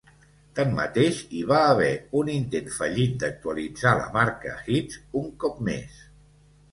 Tanmateix, hi va haver un intent fallit d'actualitzar la marca "Hits" un cop més.